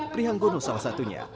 prihang gono salah satunya